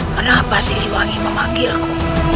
kenapa siliwangi memanggilku